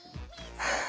はあ。